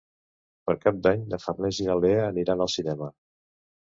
Per Cap d'Any na Farners i na Lea aniran al cinema.